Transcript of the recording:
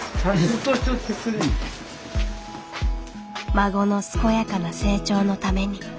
孫の健やかな成長のために。